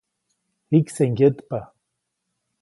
Jikse ŋgyetpa.